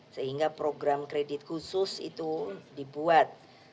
sehingga program kredit khusus itu dibuat